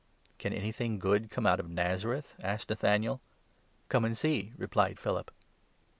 ' Can anything good come out of Nazareth ?" asked 46 Nathanael. "Come and see," replied Philip.